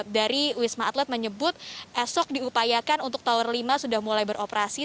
dari wisma atlet menyebut esok diupayakan untuk tower lima sudah mulai beroperasi